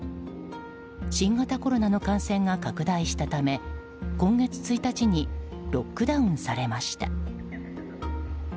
新型コロナの感染が拡大したため今月１日にロックダウンされました。